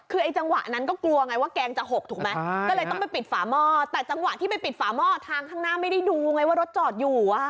คือไอ้จังหวะนั้นก็กลัวไงว่าแกงจะหกถูกไหมก็เลยต้องไปปิดฝาหม้อแต่จังหวะที่ไปปิดฝาหม้อทางข้างหน้าไม่ได้ดูไงว่ารถจอดอยู่